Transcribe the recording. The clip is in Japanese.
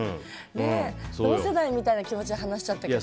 同世代みたいな気持ちで話しちゃったけど。